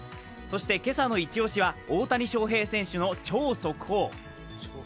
そして今朝のイチ押しは大谷翔平選手の超速報。